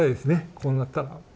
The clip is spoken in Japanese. こうなったら。